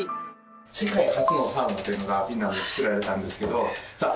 世界初のサウナというのがフィンランドで作られたんですけどさあ